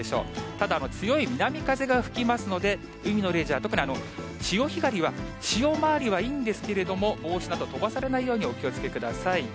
ただ強い南風が吹きますので、海のレジャー、特に潮干狩りは、潮まわりはいいんですけれども、帽子など飛ばされないようにお気をつけください。